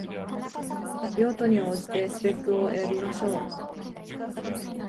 用途に応じてスペックを選びましょう